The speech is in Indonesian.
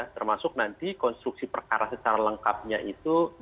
termasuk nanti konstruksi perkara secara lengkapnya itu